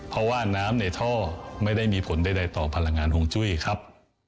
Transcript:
เพราะว่าน้ำในท่อไม่ได้มีผลใดต่อพลังงานห่วงจุ้ยครับ